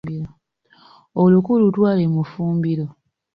Oluku lutwale mu ffumbiro.